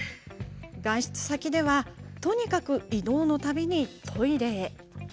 外出先ではとにかく移動のたびにトイレへ。